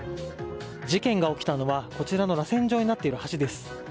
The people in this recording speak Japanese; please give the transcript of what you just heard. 事件が起きたのは、こちらのらせん状になっている橋です。